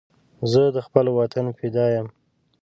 زه د خپل وطن فدا یم